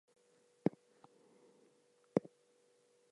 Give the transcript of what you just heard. The goat was converted into a remarkable species of deer.